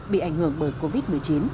bị ảnh hưởng bởi covid một mươi chín